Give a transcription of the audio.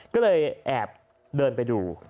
ก็เลยแอบเดินไปดู